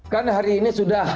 kan hari ini sudah